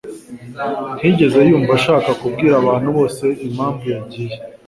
ntiyigeze yumva ashaka kubwira abantu bose impamvu yagiye.